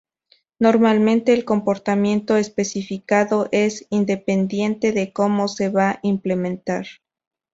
Normalmente, el comportamiento especificado es independiente de cómo se va a implementar.